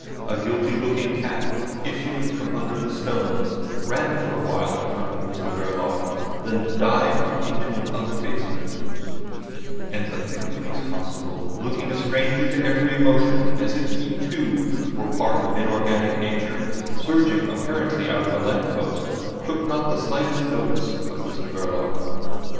A guilty looking cat issuing from under the stones ran for a while in front of Mr Verloc, then dived into another basement; and a thick police constable, looking a stranger to every emotion, as if he too were part of inorganic nature, surging apparently out of a lamp post, took not the slightest notice of Mr Verloc.